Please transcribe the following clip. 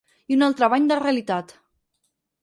I un altre bany de realitat.